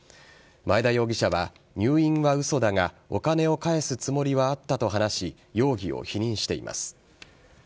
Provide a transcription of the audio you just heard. マエダ容疑者は、入院は嘘だがお金を返すつもりはあったと話し容疑を否認しています。